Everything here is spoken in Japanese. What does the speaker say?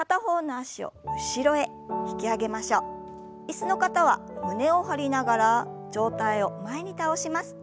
椅子の方は胸を張りながら上体を前に倒します。